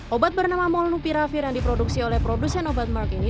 obat bernama monopiravir yang diproduksi oleh produsen obatmark ini